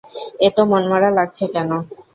এত মনমরা লাগছে কেন?